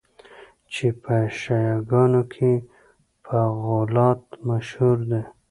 چي په شیعه ګانو کي په غُلات مشهور دي.